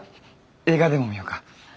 映画でも見ようか。